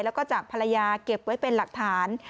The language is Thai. แล้วก็จากภรรยาเก็บไว้เป็นหลักฐาน